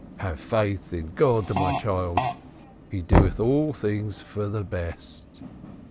Have faith in God, my child. He doeth all things for the best.